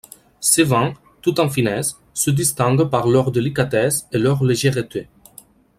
Ces vins, tout en finesse, se distinguent par leur délicatesse et leur légèreté.